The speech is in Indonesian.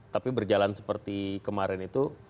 tapi berjalan seperti kemarin itu